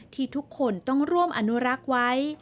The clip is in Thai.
ที่ทุกคนต้องร่วมอนุรักษ์ไว้